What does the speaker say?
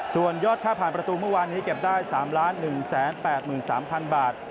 ส่วนยอดค่าผ่านประตูเมื่อวานนี้เก็บได้๓๑๘๓๐๐๐บาท